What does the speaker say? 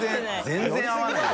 全然合ってない。